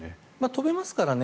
飛べますからね。